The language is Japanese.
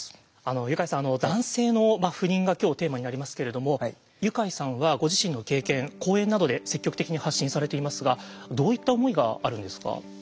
ユカイさん男性の不妊が今日テーマになりますけれどもユカイさんはご自身の経験講演などで積極的に発信されていますがどういった思いがあるんですか？